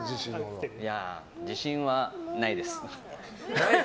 自信はないです。